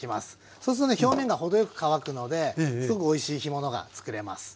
そうするとね表面が程よく乾くのですごくおいしい干物がつくれます。